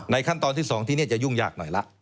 ขั้นตอนที่๒ที่นี่จะยุ่งยากหน่อยละ